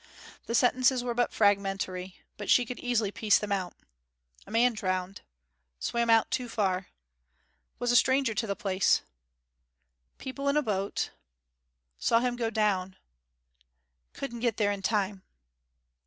The sentences were but fragmentary, but she could easily piece them out. 'A man drowned swam out too far was a stranger to the place people in boat saw him go down couldn't get there in time.'